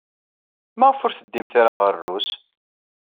Maɣef ur teddimt ara ɣer Rrus?